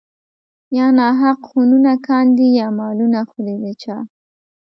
يا ناحق خونونه کاندي يا مالونه خوري د چا